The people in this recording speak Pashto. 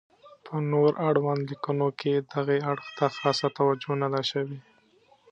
په نور اړوندو لیکنو کې دغې اړخ ته خاصه توجه نه ده شوې.